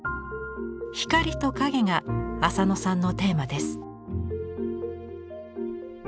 光と影が浅野さんのテーマです。